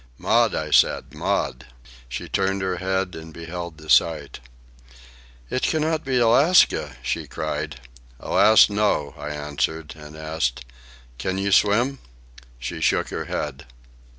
"Maud," I said. "Maud." She turned her head and beheld the sight. "It cannot be Alaska!" she cried. "Alas, no," I answered, and asked, "Can you swim?" She shook her head.